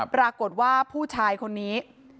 ปรากฏว่าผู้ชายคนนี้